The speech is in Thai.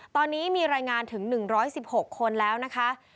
ตอนนี้มีรายงานถึง๑๑๖คนแล้วนะคะ